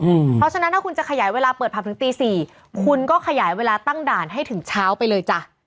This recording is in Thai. เพราะฉะนั้นถ้าคุณจะขยายเวลาเปิดผับถึงตี๔คุณก็ขยายเวลาตั้งด่านให้ถึงเช้าไปเลยจ้ะ